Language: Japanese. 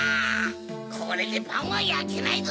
これでパンはやけないぞ！